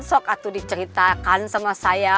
sok atuh diceritakan sama saya